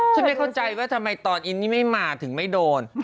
ไม่เข้าใจว่าทำไมตอนอินนี่ไม่มาถึงไม่โดน